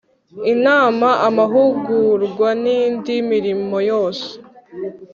inama amahugurwa n indi mirimo yose